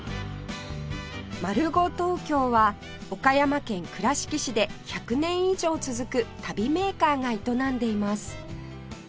マルゴトウキョウは岡山県倉敷市で１００年以上続く足袋メーカーが営んでいます